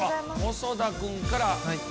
細田君からね。